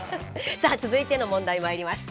さあ続いての問題まいります。